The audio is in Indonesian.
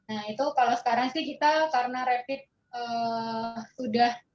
nah itu kalau sekarang sih kita karena rapid sudah